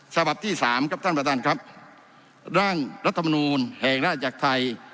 ฉบับที่สามครับท่านประธานครับร่างรัฐมนูลแห่งราชจักรไทย